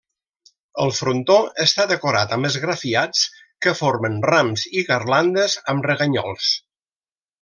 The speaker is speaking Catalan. El frontó està decorat amb esgrafiats que formen rams i garlandes amb reganyols.